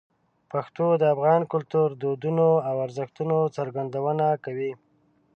پښتو د افغان کلتور، دودونو او ارزښتونو څرګندونه کوي.